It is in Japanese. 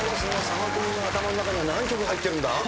佐野君の頭の中には何曲入ってるんだ？